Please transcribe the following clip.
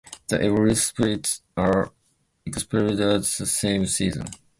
The evil spirits are expelled at the same season.